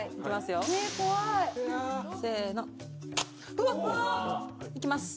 うわっ！いきます。